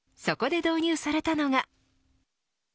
そこで導入されたのが。